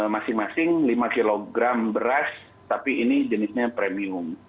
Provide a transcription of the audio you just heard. masing masing lima kg beras tapi ini jenisnya premium